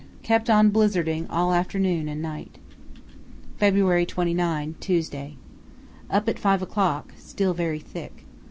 —Kept on blizzarding all afternoon and night. "February 29, Tuesday.—Up at 5 o'clock; still very thick.